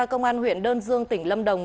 công an huyện đơn dương tỉnh lâm đồng